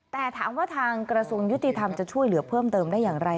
แต่ถามว่าทางกระทรวงยุติธรรมจะช่วยเหลือเพิ่มเติมได้อย่างไร